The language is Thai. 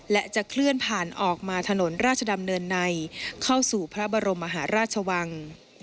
และจะเคลื่อนผ่านออกมาถนนราชดำเนินในเข้าสู่พระบรมมหาราชวัง